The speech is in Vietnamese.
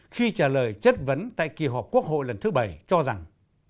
khi trả lời chất vấn tại kỳ họp quốc hội lần thứ bảy cho rằng